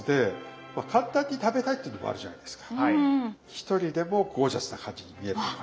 １人でもゴージャスな感じに見える餃子。